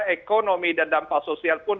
ekonomi dan dampak sosial pun